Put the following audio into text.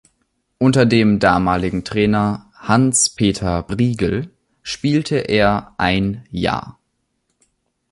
Unter dem damaligen Trainer Hans-Peter Briegel spielte er ein Jahr.